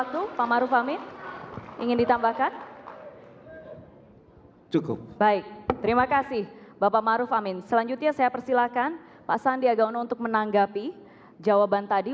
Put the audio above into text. terima kasih pak maruf amin selanjutnya saya persilakan pak sandiagaono untuk menanggapi jawaban tadi